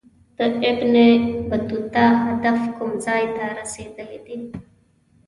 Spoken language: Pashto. د ابن بطوطه هدف کوم ځای ته رسېدل دي.